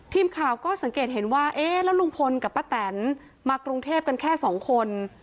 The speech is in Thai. ทีมข่าวก็สังเกตเห็นว่าเอ๊ะแล้วลุงพลกับป้าแตนมากรุงเทพกันแค่สองคน